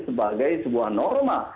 sebagai sebuah norma